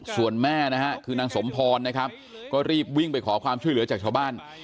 ส่วนแม่นะฮะคือนางสมพรนะครับก็รีบวิ่งไปขอความช่วยเหลือจากชาวบ้าน